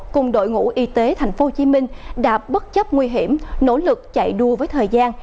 cùng đội ngũ y tế tp hcm đã bất chấp nguy hiểm nỗ lực chạy đua với thời gian